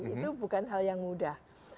itu bukan hal yang mudah